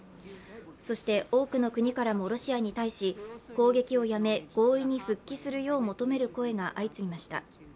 そして、多くの国からもロシアに対し、攻撃をやめ、合意に復帰するよう求める声が相次ぎました。